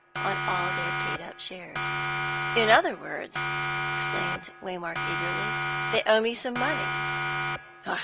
on all their paid up shares. "In other words," exclaimed Waymark eagerly, "they owe me some money?"